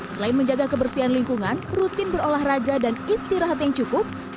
selain menjaga kebersihan lingkungan rutin berolahraga dan istirahat yang cukup